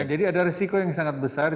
jadi ada risiko yang sangat besar